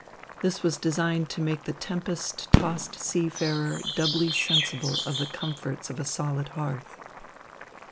This was designed to make the tempest tossed seafarer doubly sensible of the comforts of a solid hearth.